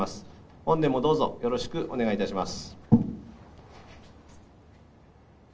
本年もどうぞ、よろしくお願いします。